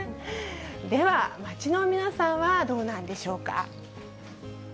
では、街の皆さんはどうなんでしょうか。